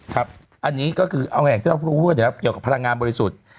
ครับอันนี้ก็คือเอาอย่างที่เรารู้ว่าเดี๋ยวเกี่ยวกับพลังงานบริสุทธิ์